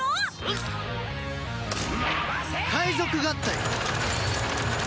界賊合体！